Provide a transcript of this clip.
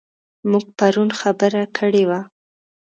موږ پرون خبره کړې وه.